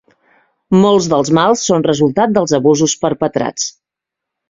Molts dels mals són resultat dels abusos perpetrats.